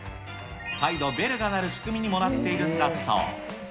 再度ベルが鳴る仕組みにもなっているんだそう。